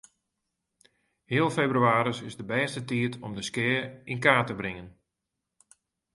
Heal febrewaris is de bêste tiid om de skea yn kaart te bringen.